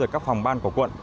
các phòng ban của quận